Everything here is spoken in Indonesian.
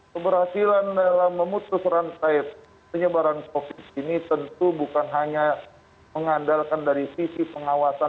keberhasilan dalam memutuskan perantai penyebaran covid sembilan belas ini tentu bukan hanya mengandalkan dari sisi pengawasan